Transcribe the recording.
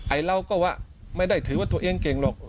เราก็ว่าไม่ได้ถือว่าตัวเองเก่งหรอก